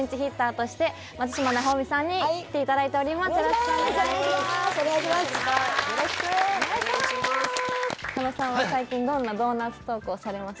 よろしくお願いします